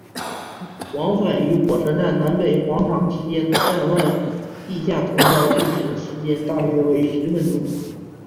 往返于火车站南北广场之间的站外地下通道步行时间大约为十分钟。